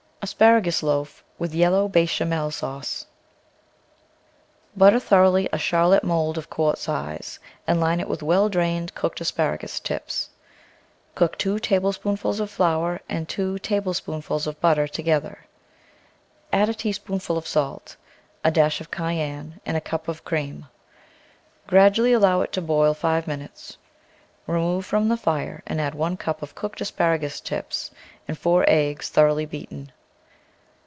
ASPARAGUS LOAF WITH YELLOW BECHAMEL SAUCE Butter thoroughly a charlotte mould of quart size and line it with well drained, cooked aspara gus tips. Cook two tablespoonfuls of flour and two tablesjioonfuls of butter together, add a teaspoon ful of salt, a dash of cayenne, and a cup of cream ; gradually allow it to boil five minutes, remove from PERENNIAL VEGETABLES the fire, and add one cup of cooked asparagus tips and four eggs thoroughly beaten.